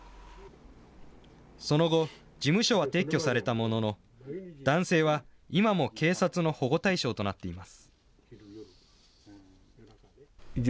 その後、事務所は撤去されたものの、男性は今も警察の保護対象となっています。